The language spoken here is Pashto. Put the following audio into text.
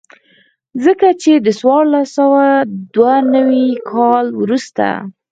ځکه چې د څوارلس سوه دوه نوي کال وروسته.